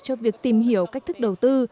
cho việc tìm hiểu cách thức đầu tư